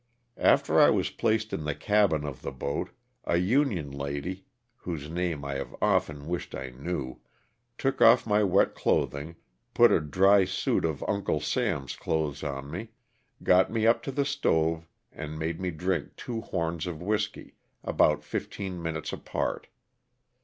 After I was placed in the cabin of the boat, a Union lady (whose name I have often wished I knew), took off my wet clothing, put a dry suit of "Uncle Sam's" clothes on me, got me up to the stove and made me drink two horns of whiskey, about fifteen minutes apart.